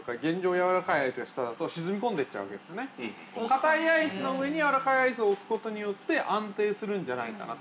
かたいアイスの上に、やわらかいアイスを置くことによって、安定するんじゃないかなと。